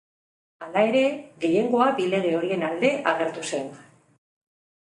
Hala ere, gehiengoa bi lege horien alde agertu zen.